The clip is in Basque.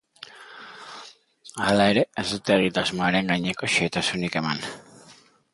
Hala ere, ez dute egitasmoaren gaineko xehetasunik eman.